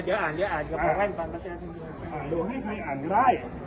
อ่านดูให้ใครอ่านได้